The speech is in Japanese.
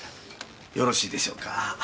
よろしいでしょうか？